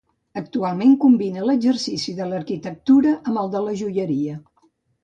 Actualment combina l’exercici de l’arquitectura amb el de la joieria.